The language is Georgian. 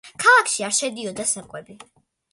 ქალაქში არ შედიოდა საკვები.